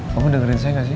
kamu dengerin saya gak sih